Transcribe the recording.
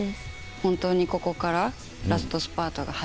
本当にここからラストスパートが始まる。